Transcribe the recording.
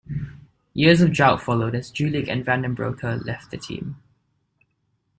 Years of drought followed as Julich and Vandenbroucke left the team.